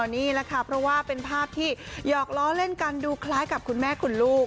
นี่แหละค่ะเพราะว่าเป็นภาพที่หยอกล้อเล่นกันดูคล้ายกับคุณแม่คุณลูก